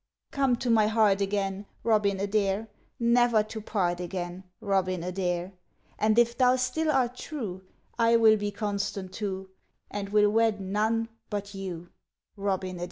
Come to my heart again, Robin Adair; Never to part again, Robin Adair; And if thou still art true, I will be constant too, And will wed none but you, Robin Adair!